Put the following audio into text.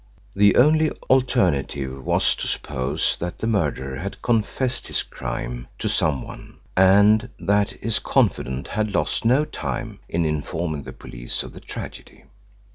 The only alternative was to suppose that the murderer had confessed his crime to some one, and that his confidant had lost no time in informing the police of the tragedy.